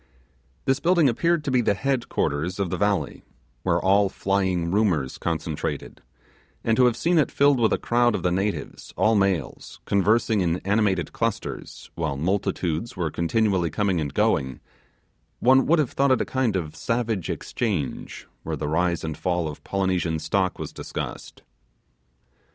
This building appeared to be the head quarters of the valley, where all flying rumours concentrated; and to have seen it filled with a crowd of the natives, all males, conversing in animated clusters, while multitudes were continually coming and going, one would have thought it a kind of savage Exchange, where the rise and fall of Polynesian Stock was discussed.